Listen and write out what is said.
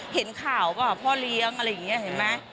เห็นข่าวบ้างว่าพ่อเลี้ยงอะไรอย่างงี้เห็นมั้ย